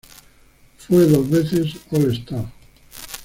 Fue dos veces All Star.